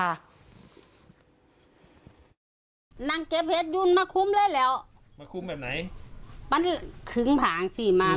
นางเกฟเฮดยุนมาคุ้มเลยแล้วมาคุ้มแบบไหนปั้นคึ้งผางสิมา